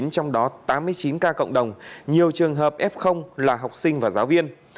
trong đó tám mươi chín ca cộng đồng nhiều trường hợp f là học sinh và giáo viên